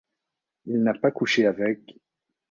Il n’a pas couché avec...